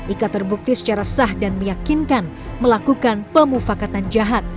ika terbukti secara sah dan meyakinkan melakukan pemufakatan jahat